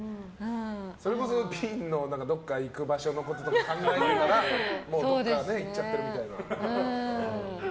それこそピンのどこか行く場所のこととか考えてるからどっかいっちゃってるみたいな。